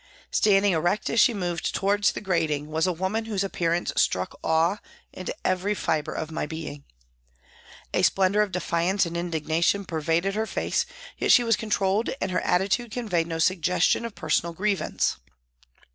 Standing erect as she moved towards the grating, was a woman whose appear ance struck awe into every fibre of my being. A splendour of defiance and indignation pervaded her face, yet she was controlled and her attitude con veyed no suggestion of personal grievance.